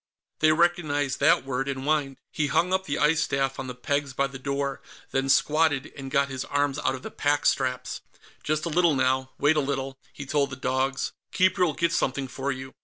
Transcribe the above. They recognized that word, and whined. He hung up the ice staff on the pegs by the door, then squatted and got his arms out of the pack straps. "Just a little now; wait a little," he told the dogs. "Keeper'll get something for you."